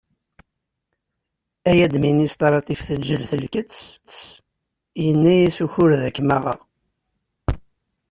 Ay administratif teǧǧel telkett yenaya-s ukured akem aɣeɣ.